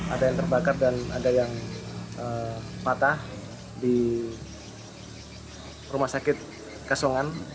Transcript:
ada yang terbakar dan ada yang patah di rumah sakit kasongan